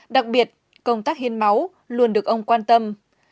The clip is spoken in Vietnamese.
đặc biệt công tác hiến máu luôn được ông quan tâm